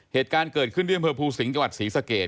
เหตุการณ์เกิดขึ้นที่อำเภอภูสิงห์จังหวัดศรีสะเกด